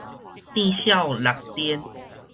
佯痟搦顛